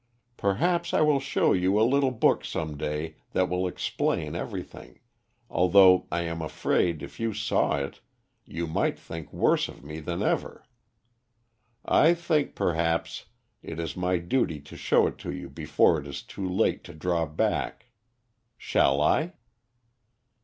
Perhaps I will show you a little book some day that will explain everything, although I am afraid, if you saw it, you might think worse of me than ever. I think, perhaps, it is my duty to show it to you before it is too late to draw back. Shall I?"